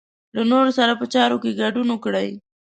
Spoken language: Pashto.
له نورو سره په چارو کې ګډون وکړئ.